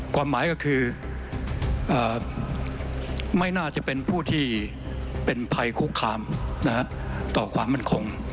ความหมายก็คือไม่น่าจะเป็นผู้ที่เป็นภัยคุกคามต่อความมั่นคง